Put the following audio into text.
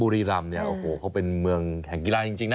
รีรำเนี่ยโอ้โหเขาเป็นเมืองแข่งกีฬาจริงนะ